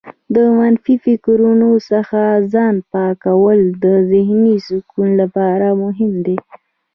د منفي فکرونو څخه ځان پاکول د ذهنې سکون لپاره مهم دي.